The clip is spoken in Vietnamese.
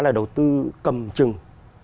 là đầu tư cầm chừng